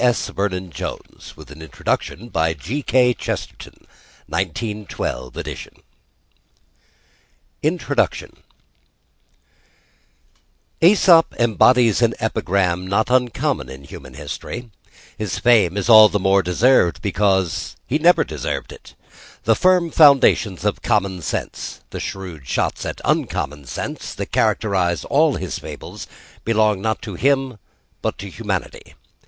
S. VERNON JONES WITH AN INTRODUCTION BY G. K. CHESTERTON AND ILLUSTRATIONS BY ARTHUR RACKHAM 1912 EDITION INTRODUCTION _Æsop embodies an epigram not uncommon in human history; his fame is all the more deserved because he never deserved it. The firm foundations of common sense, the shrewd shots at uncommon sense, that characterise all the Fables, belong not him but to humanity.